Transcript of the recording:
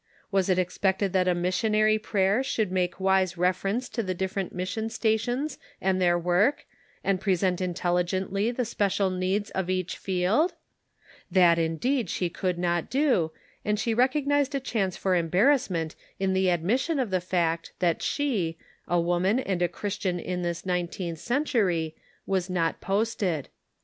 Was it expected that a missionary prayer should make wise reference to the different mission stations and their work, and present intelligently the special needs of each field? 190 The Pocket Measure. That indeed she could not do, and she re cognized a chance for embarrassment in the admission of the fact that she, a woman and a Christian in this nineteenth century, was not posted.